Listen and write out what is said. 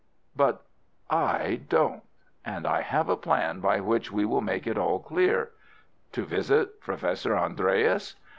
"But I don't—and I have a plan by which we will make it all clear." "To visit Professor Andreas?"